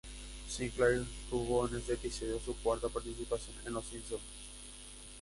Sinclair, tuvo en este episodio su cuarta participación en "Los Simpson".